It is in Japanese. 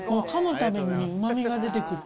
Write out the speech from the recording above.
たびに、うまみが出てくる。